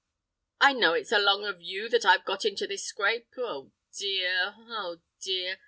I know it's along of you that I've got into the scrape. Oh dear! oh dear!